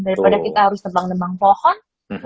daripada kita harus nebang nebang pohon